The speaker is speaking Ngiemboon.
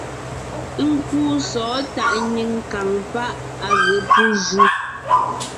Nkúu sɔ̌ɔn tàʼ nyìŋ kàŋ páʼ à ge pú ju.